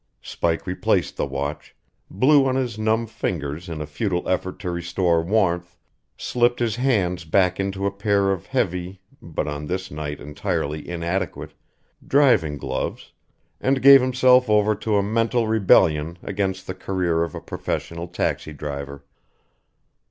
Spike replaced the watch, blew on his numb fingers in a futile effort to restore warmth, slipped his hands back into a pair of heavy but, on this night, entirely inadequate driving gloves, and gave himself over to a mental rebellion against the career of a professional taxi driver.